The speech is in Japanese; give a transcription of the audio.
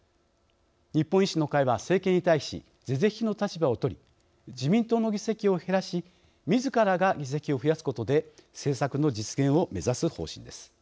日本維新の会は政権に対し是々非々の立場を取り自民党の議席を減らしみずからが議席を増やすことで政策の実現を目指す方針です。